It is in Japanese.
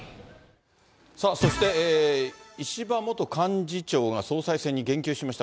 さあ、そして石破元幹事長が総裁選に言及しました。